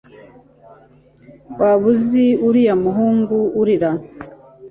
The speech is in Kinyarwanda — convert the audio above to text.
waba uzi uriya muhungu urira